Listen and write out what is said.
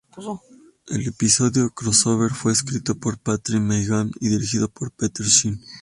El episodio crossover fue escrito por Patrick Meighan y dirigido por Peter Shin.